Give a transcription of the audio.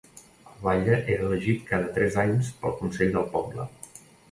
El batlle era elegit cada tres anys pel consell del poble.